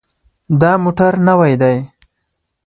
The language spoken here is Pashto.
دا موټر نوی دی.